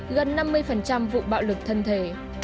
gần năm mươi vụ bạo lực thân thể